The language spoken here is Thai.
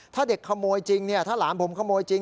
ถ้าเด็กขโมยจริงถ้าหลานผมขโมยจริง